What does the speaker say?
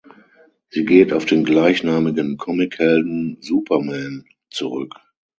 Sie geht auf den gleichnamigen Comic-Helden Superman zurück.